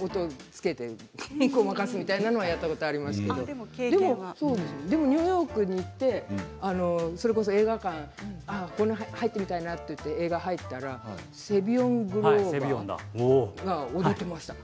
音をつけてごまかすみたいなことはやったことがありますけれどもでもニューヨークに行ってそれこそ映画館、この中入ってみたいなと思って映画に入ったらセビアン・グロバーが踊っていました。